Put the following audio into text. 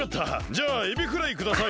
じゃあエビフライください。